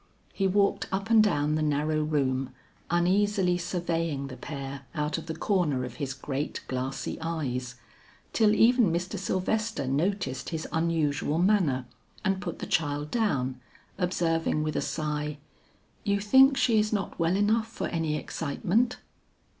He walked up and down the narrow room uneasily surveying the pair out of the corner of his great glassy eyes, till even Mr. Sylvester noticed his unusual manner and put the child down, observing with a sigh, "You think she is not well enough for any excitement?"